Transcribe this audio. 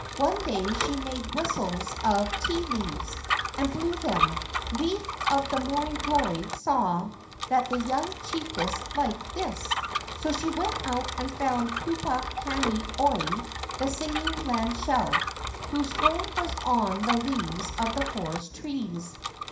One day she made whistles of tit leaves, and blew them. The Leaf of the Morning Glory saw that the young chiefess liked this, so she went out and found Pupu kani oi (the singing land shell), whose home was on the leaves of the forest trees.